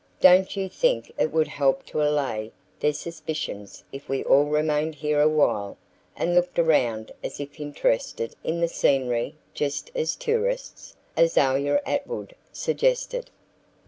"Don't you think it would help to allay their suspicions if we all remained here a while and looked around as if interested in the scenery just as tourists?" Azalia Atwood suggested.